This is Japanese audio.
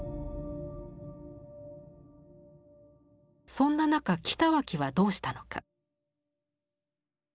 そんな中北脇はどうしたのか。